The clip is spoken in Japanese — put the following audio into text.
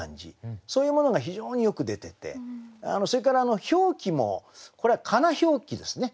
そういうものが非常によく出ててそれから表記もこれはかな表記ですね。